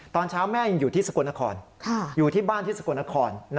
ตอนเช้าแม่ยังอยู่ที่สกลนครอยู่ที่บ้านที่สกลนคร